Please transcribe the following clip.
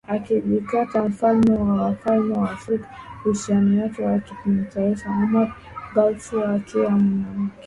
akijiita Mfalme wa Wafalme wa Afrika Uhusiano wake kimataifa Muammar Gaddafi akiwa na mke